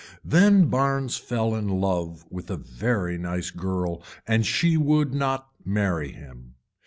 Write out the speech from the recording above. Then Barnes fell in love with a very nice girl and she would not marry him.